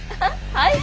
はい！